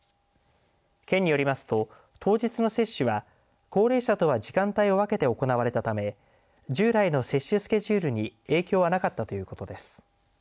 県によりますと当日の接種は高齢者とは時間帯を分けて行われたため従来の接種スケジュールに影響はなかったということです。